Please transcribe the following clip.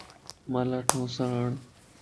مان لاڻھونس آڻ